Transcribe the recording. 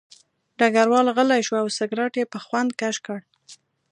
ډګروال غلی شو او سګرټ یې په خوند کش کړ